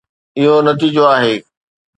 اهو نتيجو آهي